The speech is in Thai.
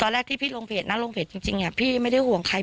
แรกที่พี่ลงเพจนะลงเพจจริงพี่ไม่ได้ห่วงใคร